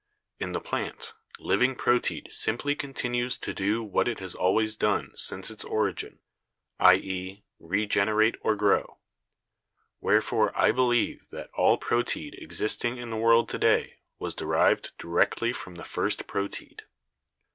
"In the plant, living proteid simply continues to do what it has always done since its origin — i.e., regenerate or grow; wherefore I believe that all proteid existing in the world to day was derived directly from the first proteid."